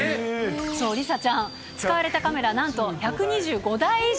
そう、梨紗ちゃん、使われたカメラ、なんと１２５台以上。